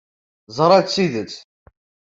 Ẓṛat tidett.